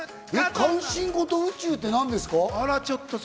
関心事、宇宙ってなんですか？